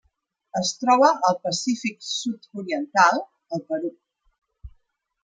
Es troba al Pacífic sud-oriental: el Perú.